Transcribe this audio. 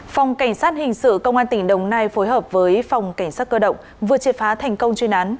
phòng cảnh sát hình sự công an tỉnh đồng nai phối hợp với phòng cảnh sát cơ động vừa triệt phá thành công chuyên án